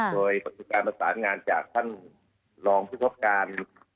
โดยปฏิการประสานงานจากท่านรองพุทธกาล